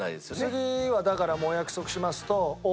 次はだからもうお約束しますと。